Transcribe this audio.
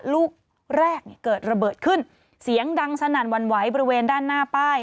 ลูกแรกเกิดระเบิดขึ้นเสียงดังสนั่นหวั่นไหวบริเวณด้านหน้าป้าย